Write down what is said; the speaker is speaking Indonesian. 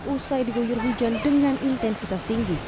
usai diguyur hujan dengan intensitas tinggi